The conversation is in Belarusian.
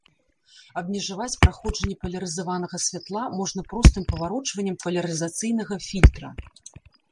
Абмежаваць праходжанне палярызаванага святла можна простым паварочваннем палярызацыйнага фільтра.